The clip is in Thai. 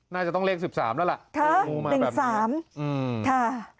น่าจะต้องเลขสิบสามแล้วล่ะค่ะหนึ่งสามอืมค่ะ